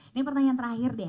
ini pertanyaan terakhir deh